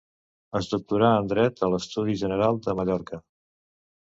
Es doctorà en dret a l'Estudi General de Mallorca.